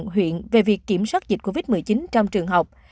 huyện về việc kiểm soát dịch covid một mươi chín trong trường học